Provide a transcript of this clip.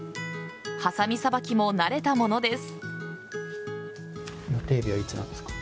はさみさばきも慣れたものです。